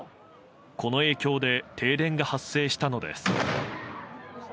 この影響で停電が発生したのです。